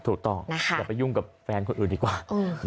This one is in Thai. ถูกต้องอย่าไปยุ่งกับแฟนคนอื่นดีกว่า